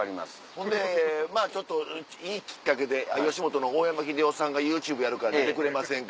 ほんでまぁいいきっかけで吉本の大山英雄さんがＹｏｕＴｕｂｅやるから「出てくれませんか？